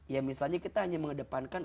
ya misalnya kita hanya mengedepankan